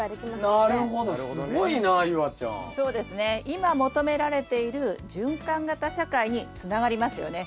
今求められている循環型社会につながりますよね。